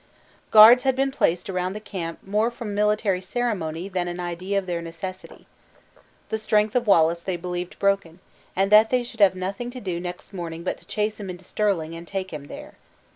Guards had been placed around the camp more from military ceremony than an idea of their necessity. The strength of Wallace they believed broken; and that they should have nothing to do next morning but to chase him into Stirling, and take him there.